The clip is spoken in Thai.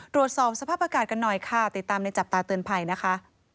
ตรวจสอบสภาพอากาศกันหน่อยค่ะติดตามในจับตาเตือนภัยนะคะ